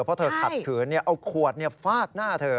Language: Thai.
เพราะเธอขัดขืนเอาขวดฟาดหน้าเธอ